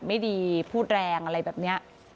ไม่ดีพูดแรงอะไรแบบนี้